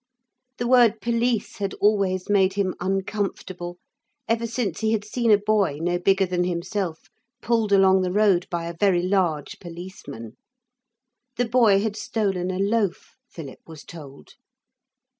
The word police had always made him uncomfortable ever since he had seen a boy no bigger than himself pulled along the road by a very large policeman. The boy had stolen a loaf, Philip was told.